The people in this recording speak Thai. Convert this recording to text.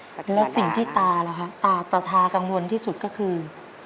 แต่ว่าดาสิ่งที่ตาตาทากังวลที่สุดก็คือ